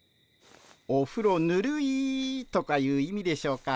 おふろぬるいとかいう意味でしょうか。